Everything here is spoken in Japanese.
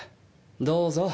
どうぞ。